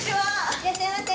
いらっしゃいませ。